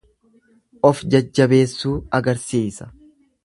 Of jajjabeessuu agarsiisa.